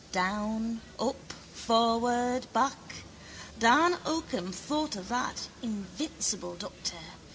Down, up, forward, back. Dan Occam thought of that, invincible doctor.